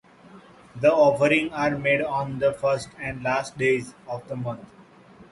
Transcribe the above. The offerings are made on the first and last days of the month.